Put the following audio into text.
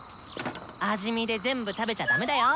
味見で全部食べちゃ駄目だよ。